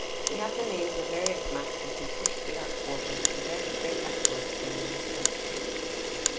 We have the names of various masters who pushed the art forward to very great excellence during this century.